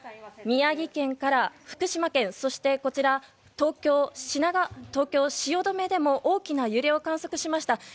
宮城県から福島県そして東京・汐留でも大きな揺れを観測しました。